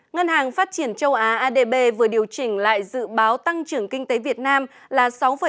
ngân hàng phát triển châu á adb vừa điều chỉnh lại dự báo tăng trưởng kinh tế việt nam là sáu bảy